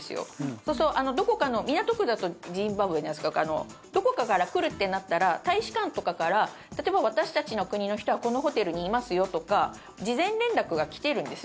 そうすると、どこかの港区だとジンバブエなんですけどどこかから来るってなったら大使館とかから例えば、私たちの国の人はこのホテルにいますよとか事前連絡が来てるんです。